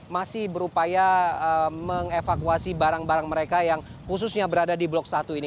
masih berupaya mengevakuasi barang barang mereka yang khususnya berada di blok satu ini